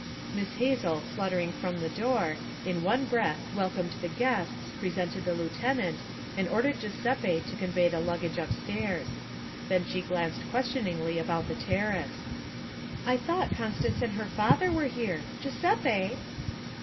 Miss Hazel fluttering from the door, in one breath welcomed the guests, presented the lieutenant, and ordered Giuseppe to convey the luggage upstairs. Then she glanced questioningly about the terrace. 'I thought Constance and her father were here Giuseppe!'